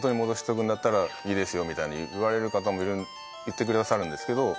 みたいに言われる方も言ってくださるんですけど。